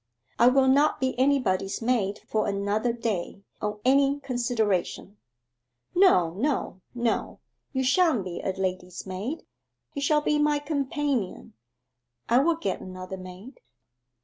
I will not be anybody's maid for another day on any consideration.' 'No, no, no. You shan't be a lady's maid. You shall be my companion. I will get another maid.